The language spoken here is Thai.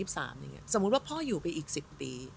สมมุติว่าพ่ออยู่ไปอีก๑๐ปี